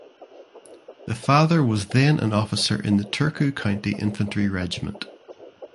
The father was then an officer in the Turku County Infantry Regiment.